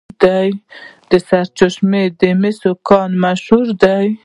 د سرچشمې د مسو کان مشهور دی.